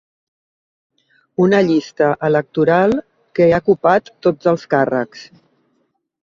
Una llista electoral que ha copat tots els càrrecs.